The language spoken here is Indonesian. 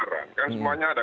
kan semuanya ada